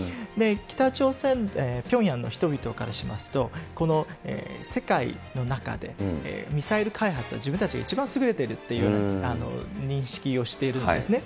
北朝鮮、ピョンヤンの人々からしますと、世界の中でミサイル開発は自分たちが一番優れているというような認識をしているんですね。